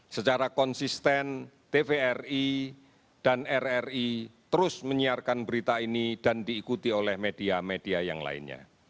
secara konsisten tvri dan rri terus menyiarkan berita ini dan diikuti oleh media medis